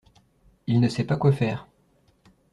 Il ne sait pas quoi faire.